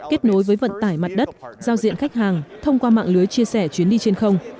kết nối với vận tải mặt đất giao diện khách hàng thông qua mạng lưới chia sẻ chuyến đi trên không